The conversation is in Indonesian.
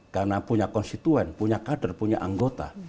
karena punya konstituen punya kader punya anggota